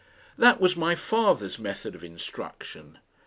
That was my father's method of instruction.